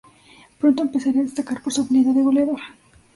Pronto empezaría a destacar por su habilidad de goleador.